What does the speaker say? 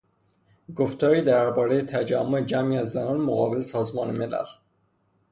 گفتاری درباره تجمع جمعی از زنان مقابل سازمان ملل.